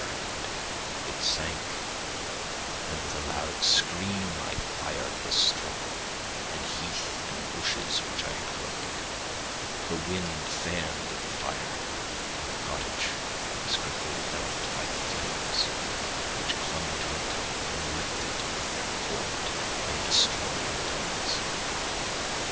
A part of its orb was at length hid, and I waved my brand; it sank, and with a loud scream I fired the straw, and heath, and bushes, which I had collected. The wind fanned the fire, and the cottage was quickly enveloped by the flames, which clung to it and licked it with their forked and destroying tongues.